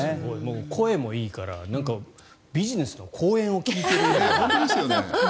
声もいいからビジネスの講演を聞いてるような。